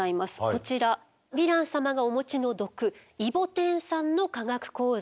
こちらヴィラン様がお持ちの毒イボテン酸の化学構造。